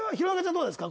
どうですか？